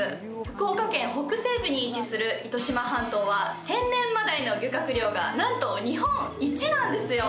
福岡県北西部に位置する糸島半島は天然まだいの漁獲量がなんと日本一なんですよ。